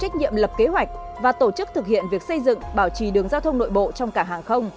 cảng vụ hàng không chịu trách nhiệm lập kế hoạch và tổ chức thực hiện việc xây dựng bảo trì đường giao thông nội bộ trong cảng hàng không